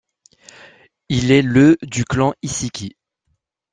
Il est le du clan Isshiki.